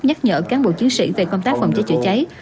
nhắc nhở cán bộ chiến sĩ về công tác phòng cháy chữa cháy